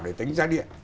để tính giá điện